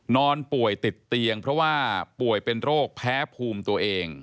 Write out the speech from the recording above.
นอนป่วยติดเตียงเพราะว่าป่วยเป็นโรคแพ้ภูมิตัวเอง